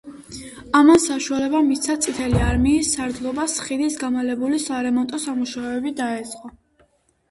ამან საშუალება მისცა წითელი არმიის სარდლობას ხიდის გამალებული სარემონტო სამუშაოები დაეწყო.